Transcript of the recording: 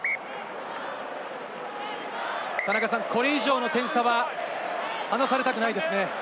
これ以上の点差は、離されたくないですね。